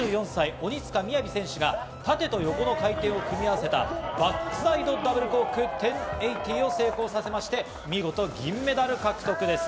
２４歳・鬼塚雅選手が縦と横の回転を組み合わせたバックサイドダブルコーク１０８０を成功させまして、見事、銀メダル獲得です。